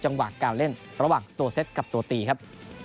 จังหวะการเล่นระหว่างตัวเซ็ตกับตัวตีครับ